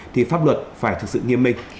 thì pháp luật phải thực sự nghiêm minh